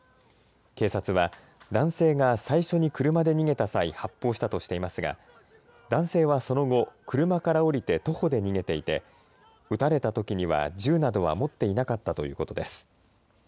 警察は男性が最初に車で逃げた際、発砲したとしていますが男性はその後、車から降りて徒歩で逃げていて撃たれたときには銃などは持っていなかったということです。